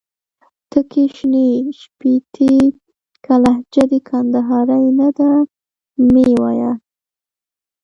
تکي شنې شپيشتي. که لهجه دي کندهارۍ نه ده مې وايه